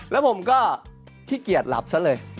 แล้วผมก็ขี้เกียจหลับซะเลย